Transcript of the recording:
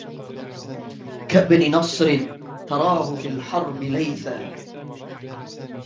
كابن نصر تراه في الحرب ليثا